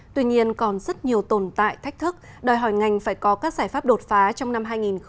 tuy nhiên còn rất nhiều tồn tại thách thức đòi hỏi ngành phải có các giải pháp đột phá trong năm hai nghìn hai mươi